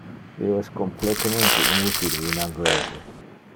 Io es completemente inutile in anglese.